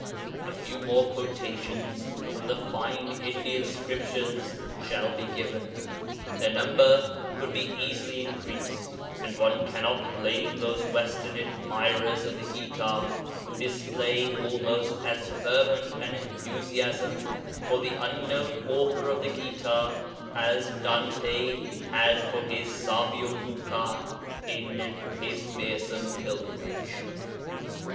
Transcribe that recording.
A few more quotations from the fine Indian Scriptures shall be given. Their number could be easily increased, and one cannot blame those Western admirers of the Gita who display almost as fervent an enthusiasm for the unknown author of the Gita as Dante had for his savio duca in his fearsome pilgrimage.